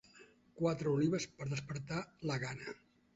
Quatre olives per a despertar la gana.